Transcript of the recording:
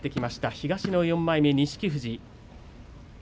東の４枚目、錦富士。